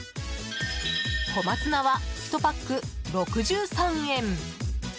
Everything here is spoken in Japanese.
小松菜は、１パック６３円。